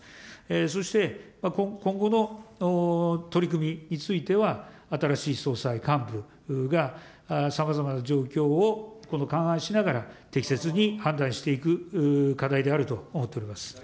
そして今後の取り組みについては、新しい総裁、幹部が、さまざまな状況を勘案しながら、適切に判断していく課題であると思っております。